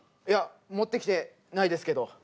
いや持ってきてないですけど。